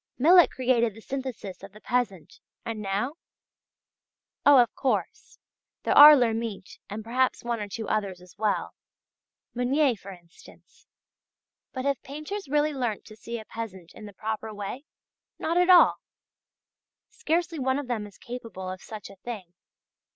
Millet created the synthesis of the peasant, and now? Oh, of course, there are Lhermitte and perhaps one or two others as well Meunier, for instance. But have painters really learnt to see a peasant in the proper way? Not at all! Scarcely one of them is capable of such a thing.